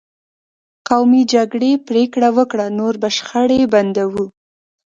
قومي جرګې پرېکړه وکړه: نور به شخړې بندوو.